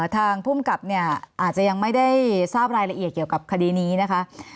ทางภูมิกับเนี่ยอาจจะยังไม่ได้ทราบรายละเอียดเกี่ยวกับคดีนี้นะคะ